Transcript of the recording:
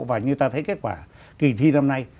và như ta thấy kết quả kỳ thi năm nay